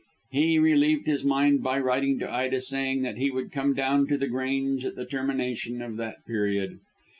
He relieved his mind by writing to Ida saying that he would come down to The Grange at the termination of that period.